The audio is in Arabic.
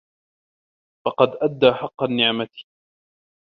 فَقَدْ أَدَّى حَقَّ النِّعْمَةِ